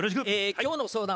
今日の相談